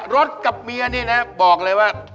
รถกับเมียนี่นะบอกเลยว่า